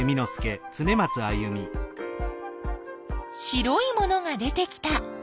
白いものが出てきた。